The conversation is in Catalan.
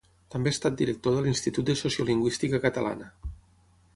També ha estat director de l'Institut de Sociolingüística Catalana.